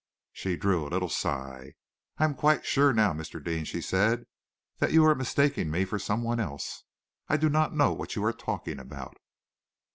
She drew a little sigh. "I am quite sure now, Mr. Deane," she said, "that you are mistaking me for someone else. I do not know what you are talking about."